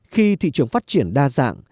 khi thị trường phát triển đa dạng